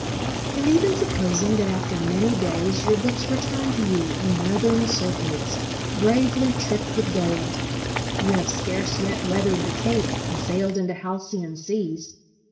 And even supposing that after many days your books return to you in leathern surcoats bravely tricked with gold, you have scarce yet weathered the Cape and sailed into halcyon seas.